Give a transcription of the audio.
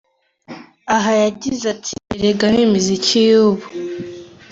Aha yagize ati: “erega n’imiziki y’ubu!”.